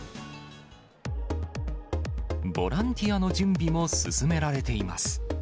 ボランティアの準備も進められています。